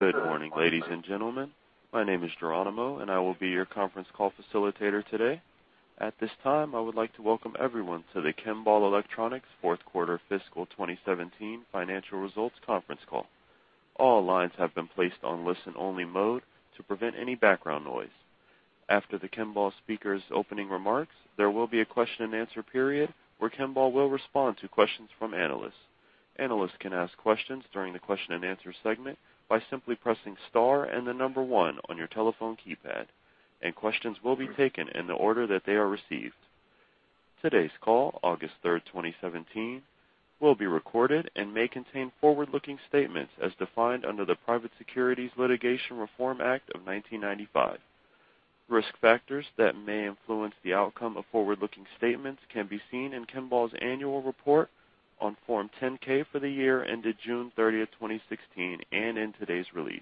Good morning, ladies and gentlemen. My name is Geronimo, and I will be your conference call facilitator today. At this time, I would like to welcome everyone to the Kimball Electronics fourth quarter fiscal 2017 financial results conference call. All lines have been placed on listen-only mode to prevent any background noise. After the Kimball speakers' opening remarks, there will be a question and answer period where Kimball will respond to questions from analysts. Analysts can ask questions during the question and answer segment by simply pressing star and the number one on your telephone keypad, and questions will be taken in the order that they are received. Today's call, August 3rd, 2017, will be recorded and may contain forward-looking statements as defined under the Private Securities Litigation Reform Act of 1995. Risk factors that may influence the outcome of forward-looking statements can be seen in Kimball's annual report on Form 10-K for the year ended June 30th, 2016, and in today's release.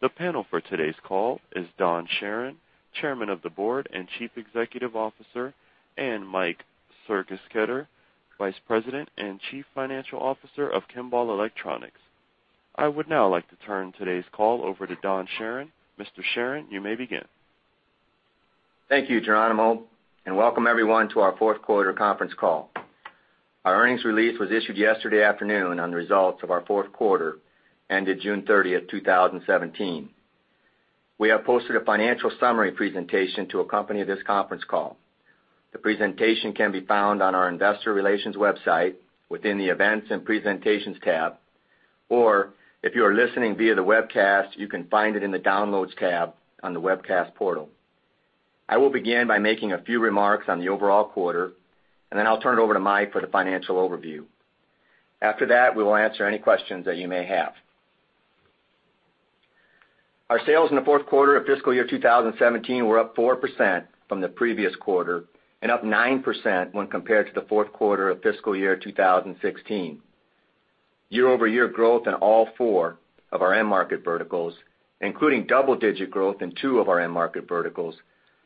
The panel for today's call is Don Charron, Chairman of the Board and Chief Executive Officer, and Mike Sergesketter, Vice President and Chief Financial Officer of Kimball Electronics. I would now like to turn today's call over to Don Charron. Mr. Charron, you may begin. Thank you, Geronimo, and welcome everyone to our fourth quarter conference call. Our earnings release was issued yesterday afternoon on the results of our fourth quarter ended June 30th, 2017. We have posted a financial summary presentation to accompany this conference call. The presentation can be found on our investor relations website within the Events and Presentations tab, or if you are listening via the webcast, you can find it in the Downloads tab on the webcast portal. I will begin by making a few remarks on the overall quarter, and then I'll turn it over to Mike for the financial overview. After that, we will answer any questions that you may have. Our sales in the fourth quarter of fiscal year 2017 were up 4% from the previous quarter and up 9% when compared to the fourth quarter of fiscal year 2016. Year-over-year growth in all four of our end market verticals, including double-digit growth in two of our end market verticals,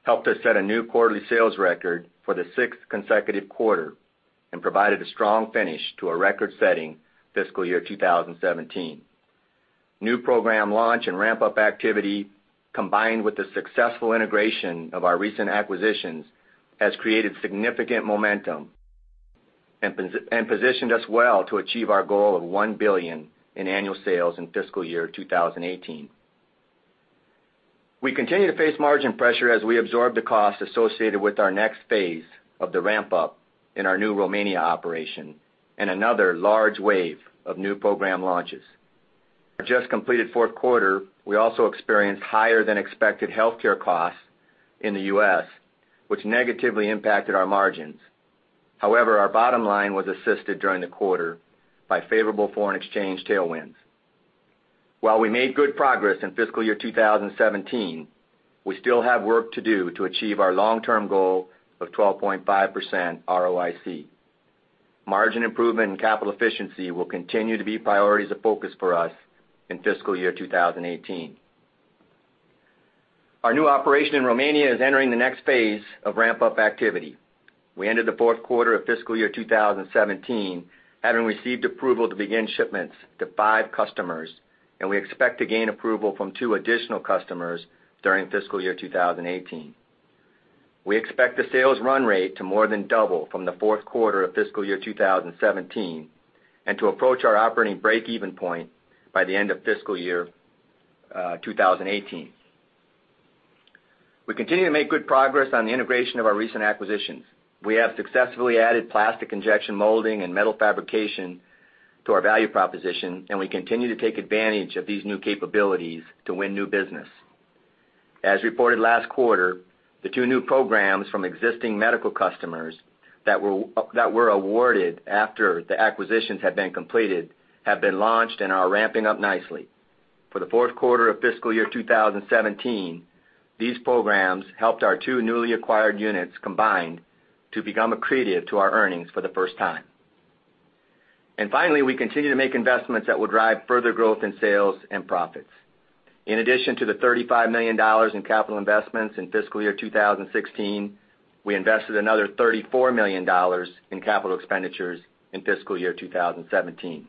helped us set a new quarterly sales record for the sixth consecutive quarter and provided a strong finish to a record-setting fiscal year 2017. New program launch and ramp-up activity, combined with the successful integration of our recent acquisitions, has created significant momentum and positioned us well to achieve our goal of $1 billion in annual sales in fiscal year 2018. We continue to face margin pressure as we absorb the cost associated with our next phase of the ramp-up in our new Romania operation and another large wave of new program launches. In the just completed fourth quarter, we also experienced higher than expected healthcare costs in the U.S., which negatively impacted our margins. Our bottom line was assisted during the quarter by favorable foreign exchange tailwinds. While we made good progress in fiscal year 2017, we still have work to do to achieve our long-term goal of 12.5% ROIC. Margin improvement and capital efficiency will continue to be priorities of focus for us in fiscal year 2018. Our new operation in Romania is entering the next phase of ramp-up activity. We ended the fourth quarter of fiscal year 2017 having received approval to begin shipments to five customers, and we expect to gain approval from two additional customers during fiscal year 2018. We expect the sales run rate to more than double from the fourth quarter of fiscal year 2017 and to approach our operating break-even point by the end of fiscal year 2018. We continue to make good progress on the integration of our recent acquisitions. We have successfully added plastic injection molding and metal fabrication to our value proposition. We continue to take advantage of these new capabilities to win new business. As reported last quarter, the two new programs from existing medical customers that were awarded after the acquisitions had been completed, have been launched and are ramping up nicely. For the fourth quarter of fiscal year 2017, these programs helped our two newly acquired units combined to become accretive to our earnings for the first time. Finally, we continue to make investments that will drive further growth in sales and profits. In addition to the $35 million in capital investments in fiscal year 2016, we invested another $34 million in capital expenditures in fiscal year 2017.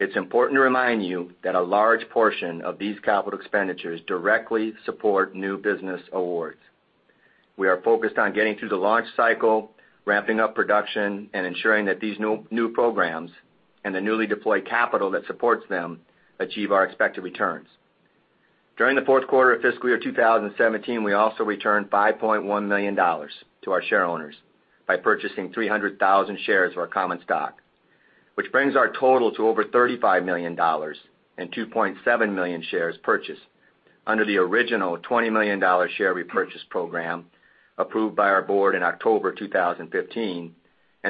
It's important to remind you that a large portion of these capital expenditures directly support new business awards. We are focused on getting through the launch cycle, ramping up production, and ensuring that these new programs and the newly deployed capital that supports them achieve our expected returns. During the fourth quarter of fiscal year 2017, we also returned $5.1 million to our shareowners by purchasing 300,000 shares of our common stock, which brings our total to over $35 million and 2.7 million shares purchased under the original $20 million share repurchase program approved by our board in October 2015.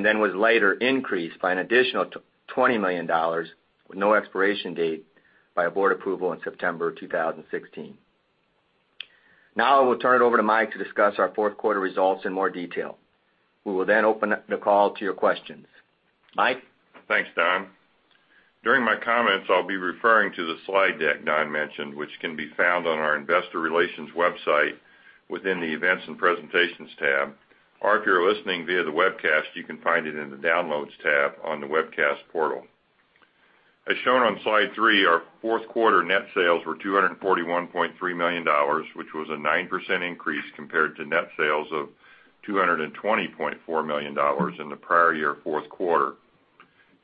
Then was later increased by an additional $20 million with no expiration date by a board approval in September 2016. I will turn it over to Mike to discuss our fourth quarter results in more detail. We will then open up the call to your questions. Mike? Thanks, Don. During my comments, I'll be referring to the slide deck Don mentioned, which can be found on our investor relations website within the Events and Presentations tab. If you're listening via the webcast, you can find it in the Downloads tab on the webcast portal. As shown on slide three, our fourth quarter net sales were $241.3 million, which was a 9% increase compared to net sales of $220.4 million in the prior year fourth quarter.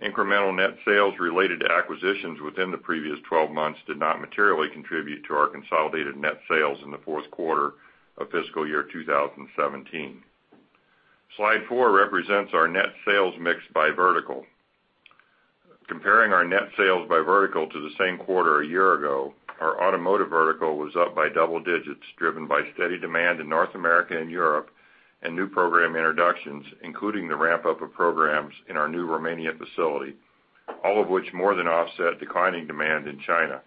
Incremental net sales related to acquisitions within the previous 12 months did not materially contribute to our consolidated net sales in the fourth quarter of fiscal year 2017. Slide four represents our net sales mix by vertical. Comparing our net sales by vertical to the same quarter a year ago, our automotive vertical was up by double digits, driven by steady demand in North America and Europe and new program introductions, including the ramp-up of programs in our new Romanian facility, all of which more than offset declining demand in China.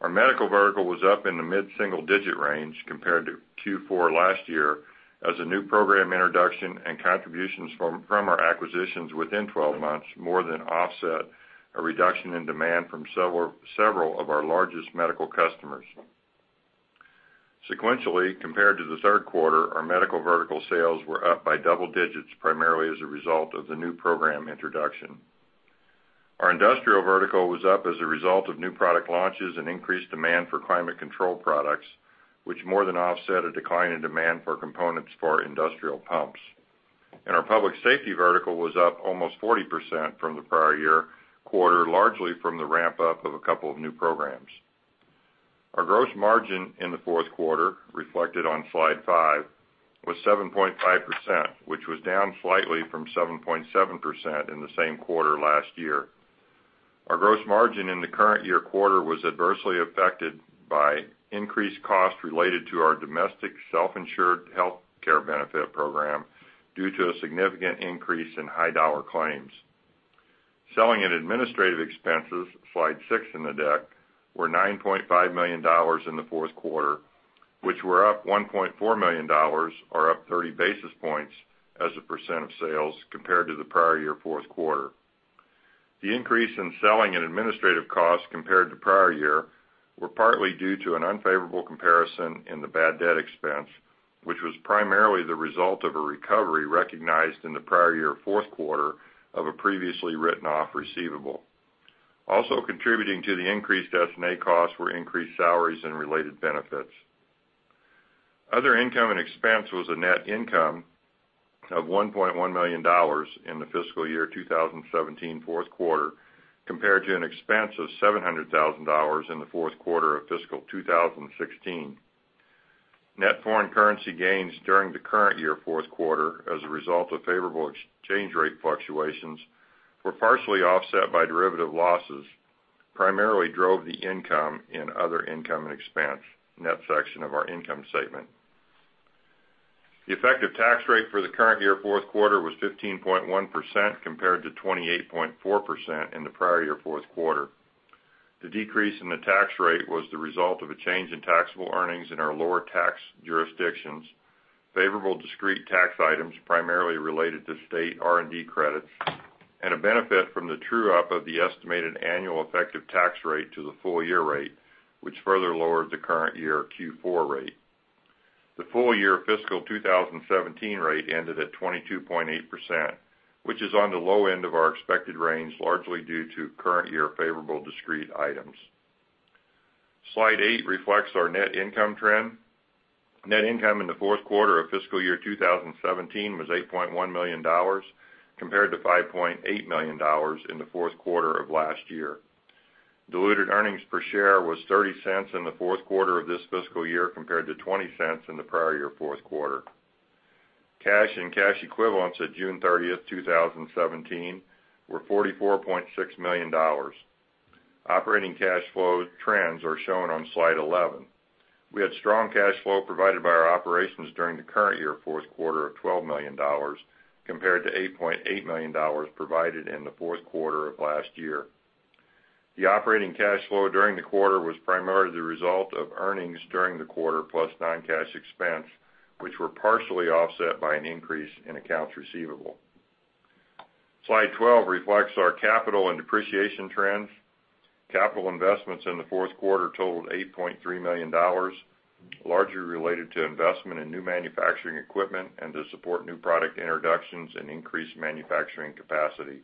Our medical vertical was up in the mid-single digit range compared to Q4 last year as a new program introduction and contributions from our acquisitions within 12 months more than offset a reduction in demand from several of our largest medical customers. Sequentially, compared to the third quarter, our medical vertical sales were up by double digits, primarily as a result of the new program introduction. Our industrial vertical was up as a result of new product launches and increased demand for climate control products, which more than offset a decline in demand for components for industrial pumps. Our public safety vertical was up almost 40% from the prior year quarter, largely from the ramp-up of a couple of new programs. Our gross margin in the fourth quarter, reflected on slide five, was 7.5%, which was down slightly from 7.7% in the same quarter last year. Our gross margin in the current year quarter was adversely affected by increased costs related to our domestic self-insured healthcare benefit program due to a significant increase in high dollar claims. Selling and administrative expenses, slide six in the deck, were $9.5 million in the fourth quarter, which were up $1.4 million, or up 30 basis points as a percent of sales compared to the prior year fourth quarter. The increase in selling and administrative costs compared to prior year were partly due to an unfavorable comparison in the bad debt expense, which was primarily the result of a recovery recognized in the prior year fourth quarter of a previously written-off receivable. Also contributing to the increased S&A costs were increased salaries and related benefits. Other income and expense was a net income of $1.1 million in the fiscal year 2017 fourth quarter compared to an expense of $700,000 in the fourth quarter of fiscal 2016. Net foreign currency gains during the current year fourth quarter as a result of favorable exchange rate fluctuations were partially offset by derivative losses, primarily drove the income in other income and expense net section of our income statement. The effective tax rate for the current year fourth quarter was 15.1% compared to 28.4% in the prior year fourth quarter. The decrease in the tax rate was the result of a change in taxable earnings in our lower tax jurisdictions, favorable discrete tax items primarily related to state R&D credits, and a benefit from the true-up of the estimated annual effective tax rate to the full year rate, which further lowered the current year Q4 rate. The full year fiscal 2017 rate ended at 22.8%, which is on the low end of our expected range, largely due to current year favorable discrete items. Slide eight reflects our net income trend. Net income in the fourth quarter of fiscal year 2017 was $8.1 million, compared to $5.8 million in the fourth quarter of last year. Diluted earnings per share was $0.30 in the fourth quarter of this fiscal year compared to $0.20 in the prior year fourth quarter. Cash and cash equivalents at June 30th, 2017, were $44.6 million. Operating cash flow trends are shown on slide 11. We had strong cash flow provided by our operations during the current year fourth quarter of $12 million, compared to $8.8 million provided in the fourth quarter of last year. The operating cash flow during the quarter was primarily the result of earnings during the quarter, plus non-cash expense, which were partially offset by an increase in accounts receivable. Slide 12 reflects our capital and depreciation trends. Capital investments in the fourth quarter totaled $8.3 million, largely related to investment in new manufacturing equipment and to support new product introductions and increased manufacturing capacity.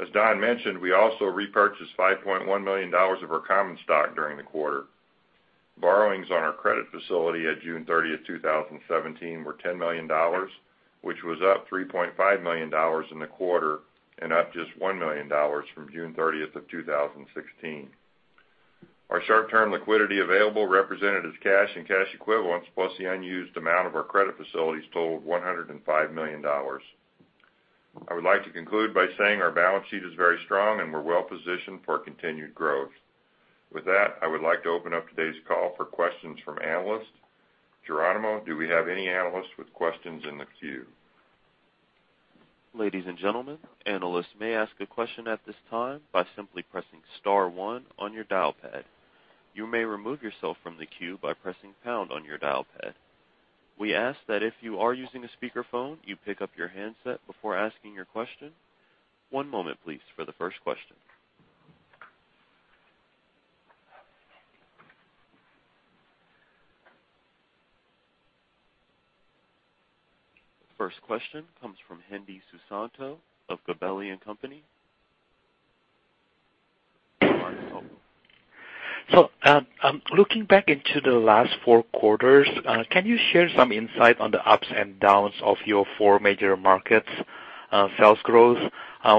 As Don mentioned, we also repurchased $5.1 million of our common stock during the quarter. Borrowings on our credit facility at June 30th, 2017, were $10 million, which was up $3.5 million in the quarter and up just $1 million from June 30th of 2016. Our short-term liquidity available, represented as cash and cash equivalents, plus the unused amount of our credit facilities totaled $105 million. I would like to conclude by saying our balance sheet is very strong, and we're well-positioned for continued growth. With that, I would like to open up today's call for questions from analysts. Geronimo, do we have any analysts with questions in the queue? Ladies and gentlemen, analysts may ask a question at this time by simply pressing *1 on your dial pad. You may remove yourself from the queue by pressing # on your dial pad. We ask that if you are using a speakerphone, you pick up your handset before asking your question. One moment, please, for the first question. First question comes from Hendi Susanto of Gabelli Funds. Go ahead, Hendi. Looking back into the last four quarters, can you share some insight on the ups and downs of your four major markets' sales growth?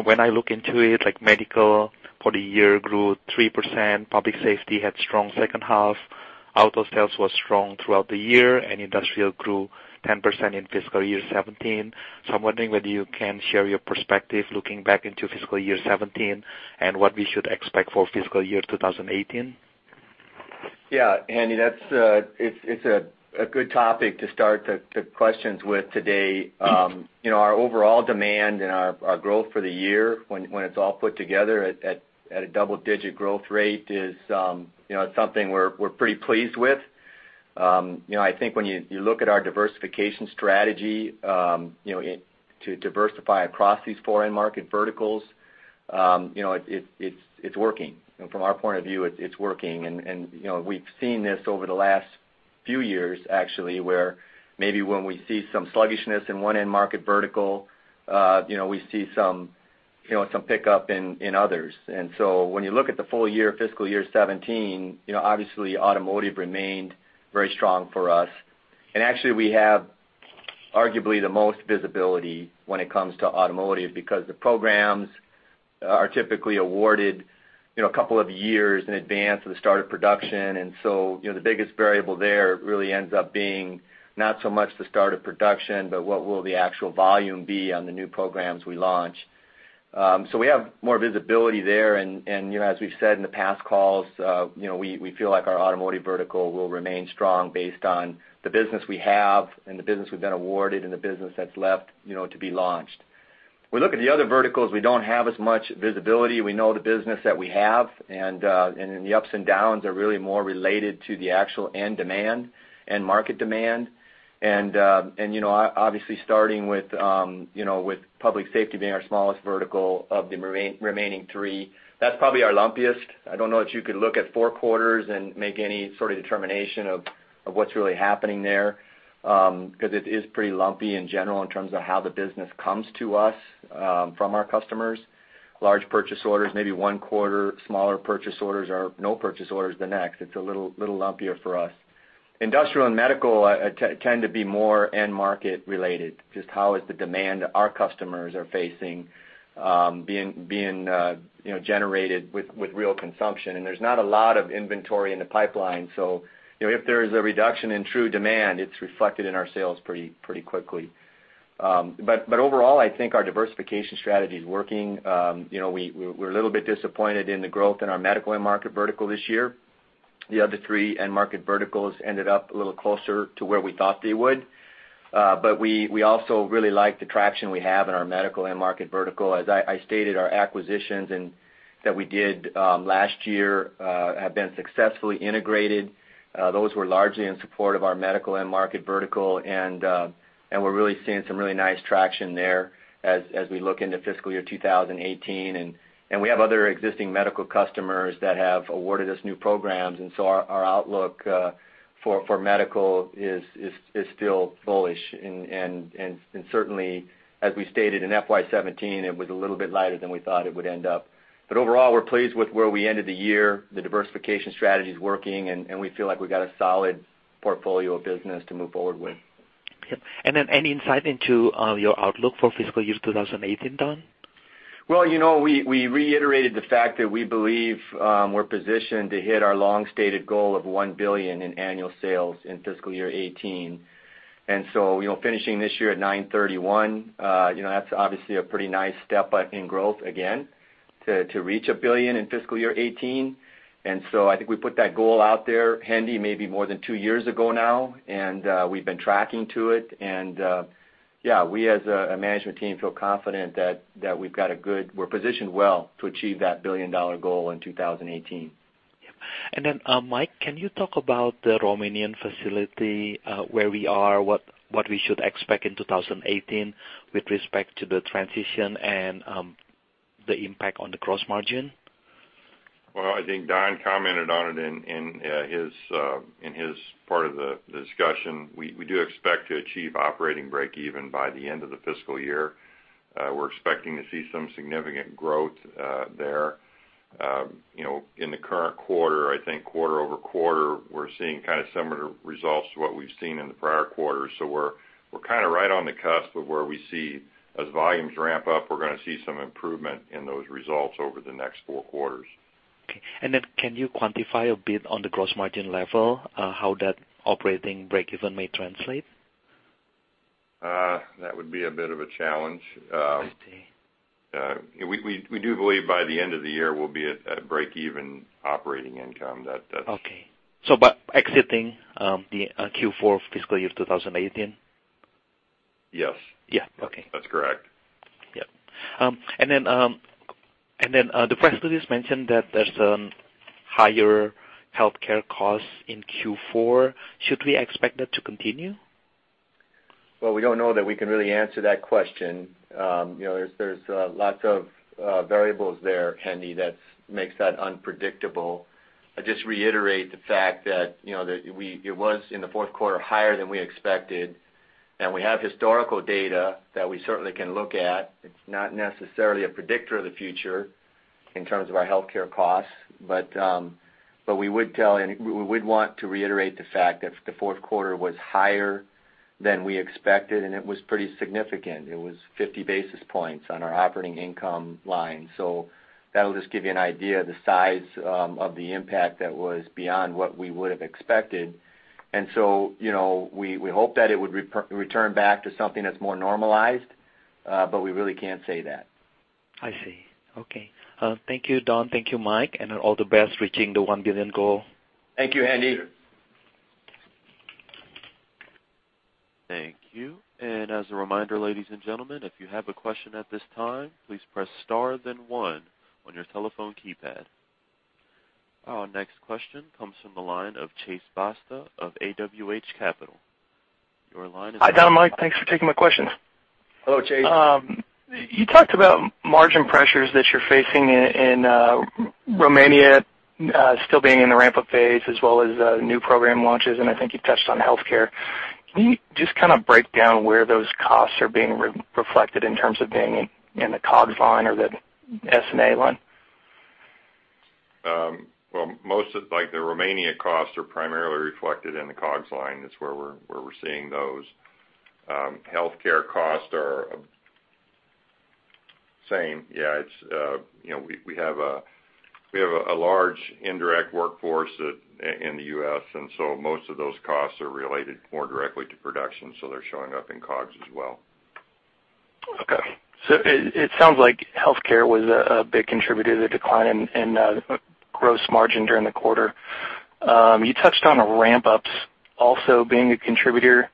When I look into it, like medical for the year grew 3%, public safety had strong second half, auto sales was strong throughout the year, industrial grew 10% in fiscal year 2017. I'm wondering whether you can share your perspective looking back into fiscal year 2017 and what we should expect for fiscal year 2018. Yeah. Hendi, it's a good topic to start the questions with today. Our overall demand and our growth for the year when it's all put together at a double digit growth rate, it's something we're pretty pleased with. I think when you look at our diversification strategy, to diversify across these four market verticals, it's working. From our point of view, it's working. We've seen this over the last few years actually where maybe when we see some sluggishness in one end market vertical, we see some pickup in others. When you look at the full year, fiscal year 2017, obviously automotive remained very strong for us. Actually we have arguably the most visibility when it comes to automotive because the programs are typically awarded a couple of years in advance of the start of production. The biggest variable there really ends up being not so much the start of production, but what will the actual volume be on the new programs we launch? We have more visibility there, and as we've said in the past calls, we feel like our automotive vertical will remain strong based on the business we have and the business we've been awarded and the business that's left to be launched. We look at the other verticals, we don't have as much visibility. We know the business that we have, and the ups and downs are really more related to the actual end demand and market demand. Obviously starting with public safety being our smallest vertical of the remaining three, that's probably our lumpiest. I don't know that you could look at four quarters and make any sort of determination of what's really happening there, because it is pretty lumpy in general in terms of how the business comes to us from our customers. Large purchase orders maybe one quarter, smaller purchase orders or no purchase orders the next. It's a little lumpier for us. Industrial and medical tend to be more end market related, just how is the demand our customers are facing being generated with real consumption. There's not a lot of inventory in the pipeline. If there is a reduction in true demand, it's reflected in our sales pretty quickly. Overall, I think our diversification strategy is working. We're a little bit disappointed in the growth in our medical end market vertical this year. The other three end market verticals ended up a little closer to where we thought they would. We also really like the traction we have in our medical end market vertical. As I stated, our acquisitions that we did last year have been successfully integrated. Those were largely in support of our medical end market vertical, and we're really seeing some really nice traction there as we look into fiscal year 2018. We have other existing medical customers that have awarded us new programs, our outlook for medical is still bullish. Certainly, as we stated in FY 2017, it was a little bit lighter than we thought it would end up. Overall, we're pleased with where we ended the year. The diversification strategy is working, we feel like we've got a solid portfolio of business to move forward with. Okay. Any insight into your outlook for fiscal year 2018, Don? Well, we reiterated the fact that we believe we're positioned to hit our long stated goal of $1 billion in annual sales in fiscal year 2018. Finishing this year at $931 million, that's obviously a pretty nice step up in growth, again, to reach $1 billion in fiscal year 2018. I think we put that goal out there, Hendi, maybe more than two years ago now, we've been tracking to it. We as a management team feel confident that we're positioned well to achieve that billion-dollar goal in 2018. Yep. Mike, can you talk about the Romanian facility, where we are, what we should expect in 2018 with respect to the transition and the impact on the gross margin? Well, I think Don commented on it in his part of the discussion. We do expect to achieve operating breakeven by the end of the fiscal year. We're expecting to see some significant growth there. In the current quarter, I think quarter-over-quarter, we're seeing kind of similar results to what we've seen in the prior quarters. We're kind of right on the cusp of where we see as volumes ramp up, we're going to see some improvement in those results over the next four quarters. Okay. Can you quantify a bit on the gross margin level, how that operating breakeven may translate? That would be a bit of a challenge. I see. We do believe by the end of the year, we'll be at breakeven operating income. Okay. By exiting the Q4 fiscal year 2018? Yes. Yeah. Okay. That's correct. Yep. The press release mentioned that there's higher healthcare costs in Q4. Should we expect that to continue? Well, we don't know that we can really answer that question. There's lots of variables there, Hendi, that makes that unpredictable. I just reiterate the fact that it was, in the fourth quarter, higher than we expected, and we have historical data that we certainly can look at. It's not necessarily a predictor of the future in terms of our healthcare costs. We would want to reiterate the fact that the fourth quarter was higher than we expected, and it was pretty significant. It was 50 basis points on our operating income line. That'll just give you an idea of the size of the impact that was beyond what we would've expected. We hope that it would return back to something that's more normalized, but we really can't say that. I see. Okay. Thank you, Don, thank you, Mike, all the best reaching the $1 billion goal. Thank you, Hendi. Thank you. As a reminder, ladies and gentlemen, if you have a question at this time, please press star then one on your telephone keypad. Our next question comes from the line of Chase Basta of AWH Capital. Your line is open. Hi, Don, Mike. Thanks for taking my questions. Hello, Chase. You talked about margin pressures that you're facing in Romania still being in the ramp-up phase as well as new program launches, I think you touched on healthcare. Can you just kind of break down where those costs are being reflected in terms of being in the COGS line or the S&A line? Well, most of the Romania costs are primarily reflected in the COGS line. That's where we're seeing those. Healthcare costs are the same. We have a large indirect workforce in the U.S., most of those costs are related more directly to production, they're showing up in COGS as well. Okay. It sounds like healthcare was a big contributor to the decline in gross margin during the quarter. You touched on ramp-ups also being a contributor.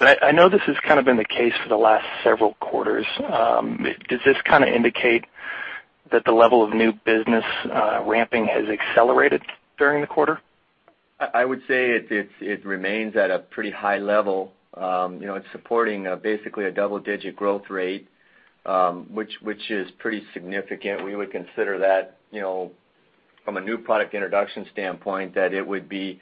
I know this has kind of been the case for the last several quarters. Does this kind of indicate that the level of new business ramping has accelerated during the quarter? I would say it remains at a pretty high level. It's supporting basically a double-digit growth rate, which is pretty significant. We would consider that from a new product introduction standpoint, that it would be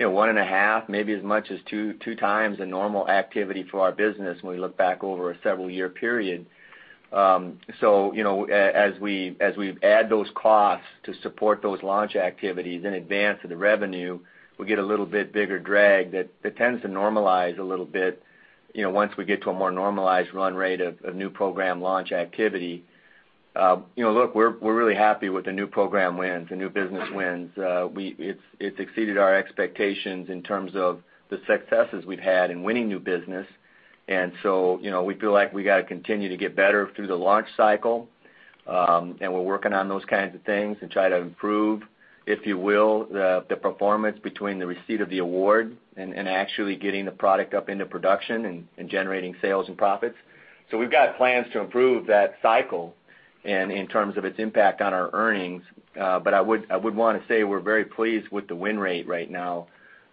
one and a half, maybe as much as two times the normal activity for our business when we look back over a several year period. As we add those costs to support those launch activities in advance of the revenue, we get a little bit bigger drag that tends to normalize a little bit, once we get to a more normalized run rate of new program launch activity. Look, we're really happy with the new program wins, the new business wins. It's exceeded our expectations in terms of the successes we've had in winning new business. We feel like we got to continue to get better through the launch cycle, and we're working on those kinds of things and try to improve, if you will, the performance between the receipt of the award and actually getting the product up into production and generating sales and profits. We've got plans to improve that cycle and in terms of its impact on our earnings. I would want to say we're very pleased with the win rate right now.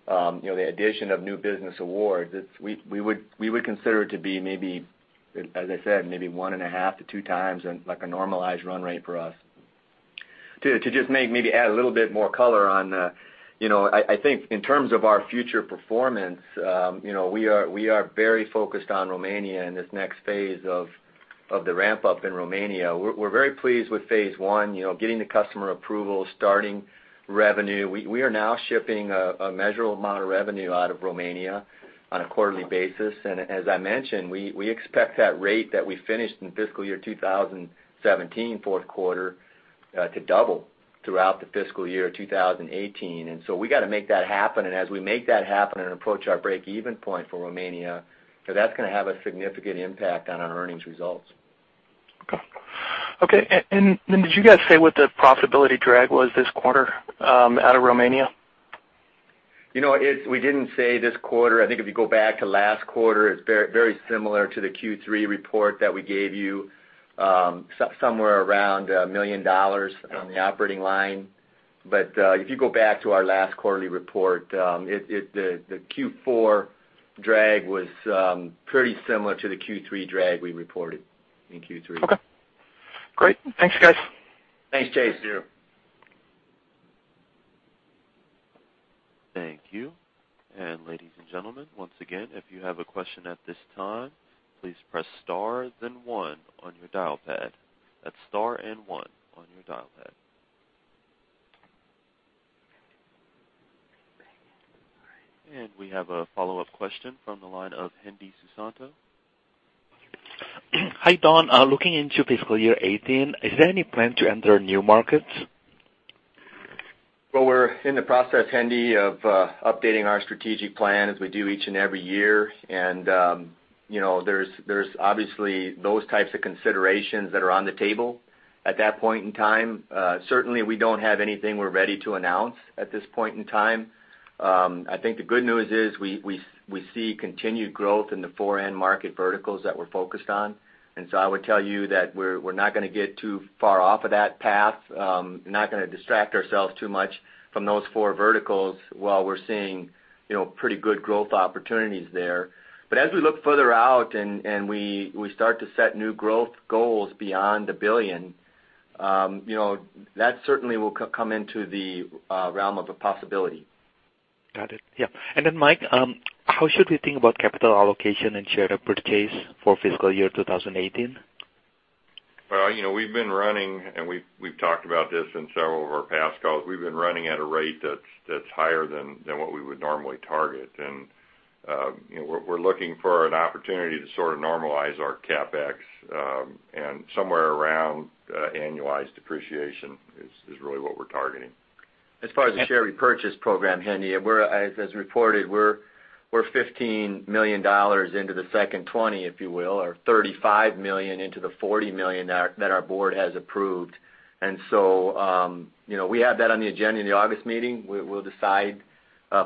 The addition of new business awards, we would consider it to be maybe, as I said, maybe one and a half to two times, like a normalized run rate for us. To just maybe add a little bit more color on I think in terms of our future performance, we are very focused on Romania and this next phase of the ramp-up in Romania. We're very pleased with phase 1, getting the customer approval, starting revenue. We are now shipping a measurable amount of revenue out of Romania on a quarterly basis. As I mentioned, we expect that rate that we finished in fiscal year 2017 fourth quarter to double throughout the fiscal year 2018. We got to make that happen, and as we make that happen and approach our break-even point for Romania, that's going to have a significant impact on our earnings results. Okay. Did you guys say what the profitability drag was this quarter out of Romania? We didn't say this quarter. I think if you go back to last quarter, it's very similar to the Q3 report that we gave you, somewhere around $1 million on the operating line. If you go back to our last quarterly report, the Q4 drag was pretty similar to the Q3 drag we reported in Q3. Okay. Great. Thanks, guys. Thanks, Chase. Thank you. Ladies and gentlemen, once again, if you have a question at this time, please press star then one on your dial pad. That's star and one on your dial pad. We have a follow-up question from the line of Hendi Susanto. Hi, Don. Looking into fiscal year 2018, is there any plan to enter new markets? Well, we're in the process, Hendi, of updating our strategic plan as we do each and every year. There's obviously those types of considerations that are on the table at that point in time. Certainly, we don't have anything we're ready to announce at this point in time. I think the good news is we see continued growth in the four end market verticals that we're focused on. So I would tell you that we're not going to get too far off of that path, not going to distract ourselves too much from those four verticals while we're seeing pretty good growth opportunities there. As we look further out and we start to set new growth goals beyond a billion, that certainly will come into the realm of a possibility. Got it. Yeah. Then Mike, how should we think about capital allocation and share repurchase for fiscal year 2018? We've been running, and we've talked about this in several of our past calls, we've been running at a rate that's higher than what we would normally target. We're looking for an opportunity to sort of normalize our CapEx, and somewhere around annualized depreciation is really what we're targeting. As far as the share repurchase program, Hendi, as reported, we're $15 million into the second 20, if you will, or $35 million into the $40 million that our board has approved. So, we have that on the agenda in the August meeting. We'll decide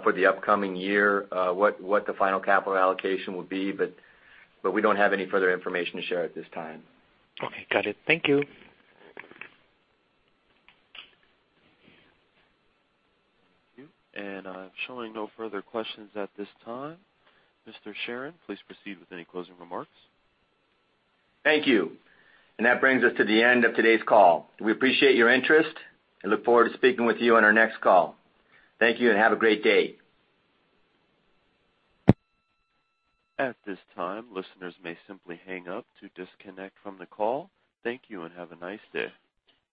for the upcoming year what the final capital allocation will be, we don't have any further information to share at this time. Okay, got it. Thank you. Thank you. I'm showing no further questions at this time. Mr. Charron, please proceed with any closing remarks. Thank you. That brings us to the end of today's call. We appreciate your interest and look forward to speaking with you on our next call. Thank you and have a great day. At this time, listeners may simply hang up to disconnect from the call. Thank you and have a nice day.